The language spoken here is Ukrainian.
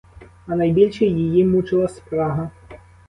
А найбільше її мучила спрага.